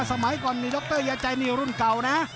สมัยก่อนมีดรยาใจนี่รุ่นเก่านะ